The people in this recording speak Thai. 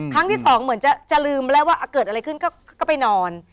ครั้งที่สองเหมือนจะลืมแล้วว่าเกิดอะไรขึ้นก็ไปนอน